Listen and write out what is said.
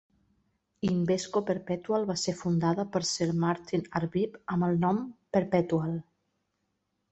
Invesco Perpetual va ser fundada per Sir Martyn Arbib amb el nom "Perpetual".